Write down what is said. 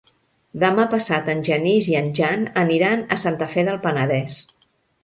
Demà passat en Genís i en Jan aniran a Santa Fe del Penedès.